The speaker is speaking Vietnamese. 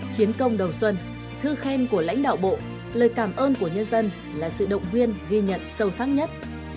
chiến công đầu xuân thư khen của lãnh đạo bộ lời cảm ơn của nhân dân là sự động viên ghi nhận sâu sắc nhất